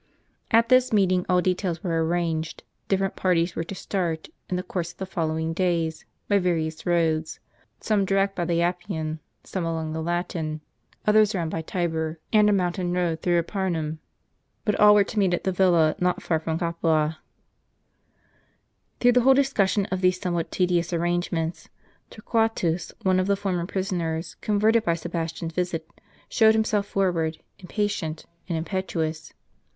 At this meeting all details were arranged ; different par ties were to start, in the course of the following days, by vari ous roads — some direct by the Appian, some along the Latin, others round by Tibur and a mountain road, through Arpi num ; but all were to meet at the villa, not far from Capua. The Roman Forum. Through the whole discussion of these somewhat tedious arrangements, Torquatus, one of the former prisoners, con verted by Sebastian's visit, showed himself forward, impa tient, and impetuous.